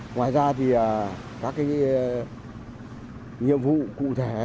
ngoài ra thì các cái nhiệm vụ cụ thể